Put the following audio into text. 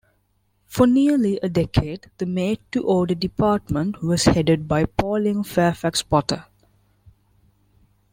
For nearly a decade, the made-to-order department was headed by Pauline Fairfax Potter.